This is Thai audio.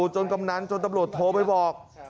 กำนันจนตำรวจโทรไปบอก